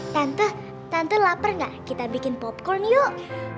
tante tante lapar gak kita bikin popcorn yuk